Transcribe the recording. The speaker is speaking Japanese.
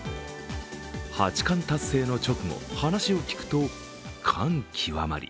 八冠達成の直後、話を聞くと感極まり